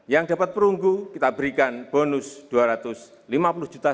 yang dapat perunggu kita berikan bonus rp dua ratus lima puluh juta